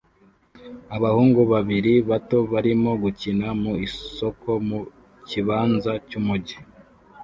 Abahungu babiri bato barimo gukina mu isoko mu kibanza cyumujyi